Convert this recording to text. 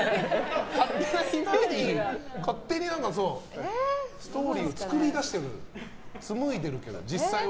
勝手にストーリーを作り出してる紡いでるけど、実際は？